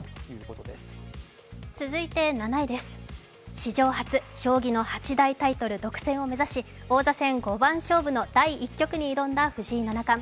史上初将棋の８大タイトル独占を目指し王座戦五番勝負の第１局に挑んだ藤井七冠。